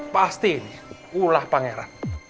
pasti ini ulah pangeran